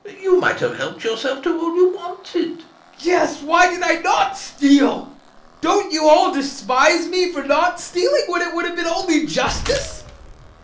You might have helped yourself to all you wanted. VOITSKI. Yes, why did I not steal? Don't you all despise me for not stealing, when it would have been only justice?